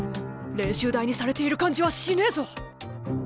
練習台にされている感じはしねえぞ。